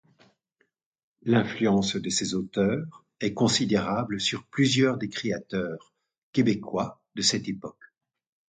L'influence de ces auteurs est considérable sur plusieurs des créateurs québécois de cette époque.